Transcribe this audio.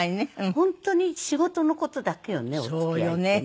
本当に仕事の事だけよねお付き合いってね。